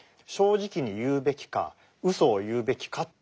正直に言うべきかうそを言うべきか。